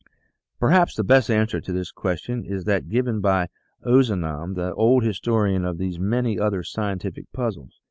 " Perhaps the best answer to this question is that given by Ozanam, the old historian of these and many other scientific puzzles.